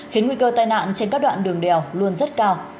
khiến nguy cơ tai nạn trên các đoạn đường đèo luôn rất cao